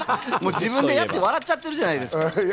自分でやって笑っちゃってるじゃないですか。